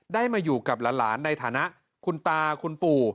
ได้มาอยู่กับหลานในฐานะคุณตาคุณปู่